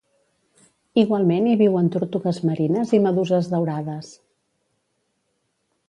Igualment hi viuen tortugues marines i meduses daurades.